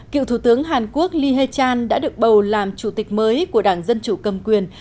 cựu thủ tướng hàn quốc lee hae chan đã được bầu làm chủ tịch mới của đảng dân chủ cầm quyền